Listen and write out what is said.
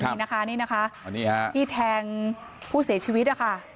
นี่นะคะนี่นะคะที่แทงผู้เสียชีวิตนะคะ